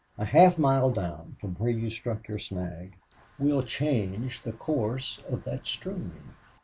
"A half mile down from where you struck your snag we'll change the course of that stream...